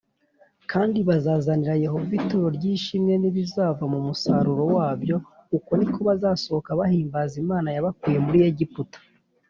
kandi bazazanira Yehova ituro ry’ishimwe nibizava mu musaruro wabyo uko niko bazasohoka bahimbaza Imana yabakuye muri egiputa.